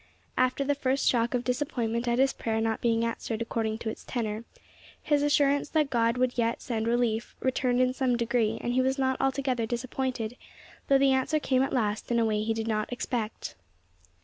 After the first shock of disappointment at his prayer not being answered according to its tenor, his assurance that God would yet send relief returned in some degree, and he was not altogether disappointed, though the answer came at last in a way that he did not expect.